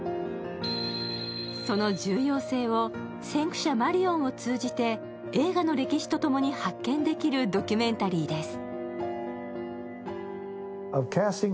その重要性を先駆者マリオンを通じて映画の歴史とともに、発見できるドキュメンタリーです。